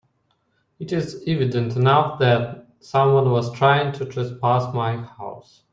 It is evident enough that someone was trying to trespass my house.